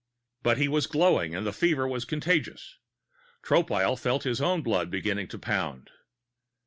But he was glowing and the fever was contagious. Tropile felt his own blood begin to pound.